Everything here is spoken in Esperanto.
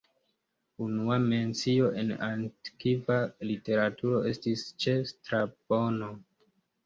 Unua mencio en antikva literaturo estis ĉe Strabono.